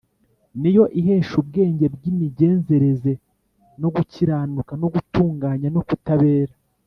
ni yo ihesha ubwenge bw’imigenzereze, no gukiranuka no gutunganya no kutabera